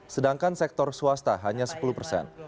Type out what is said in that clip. sedangkan sektor swasta hanya sepuluh persen